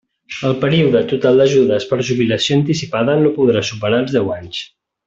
El període total d'ajudes per jubilació anticipada no podrà superar els deu anys.